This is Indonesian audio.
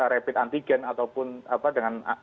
rapid antigen ataupun